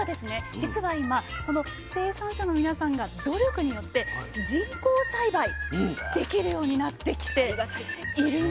実は今その生産者の皆さんが努力によって人工栽培できるようになってきているんですね。